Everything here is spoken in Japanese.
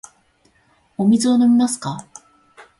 お水を飲みますか。